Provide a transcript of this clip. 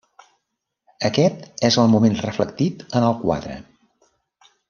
Aquest és el moment reflectit en el quadre.